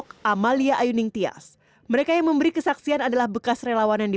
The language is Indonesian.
kami mendapatkan yang resmi itu seragam seperti ini